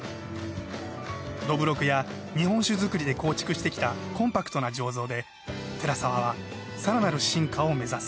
どぶろくや日本酒造りで構築してきたコンパクトな醸造で寺澤は更なる進化を目指す。